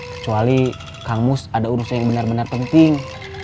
kecuali kang mus ada urusan yang benar benar penting